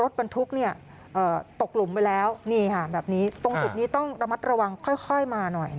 สวัสดีครับ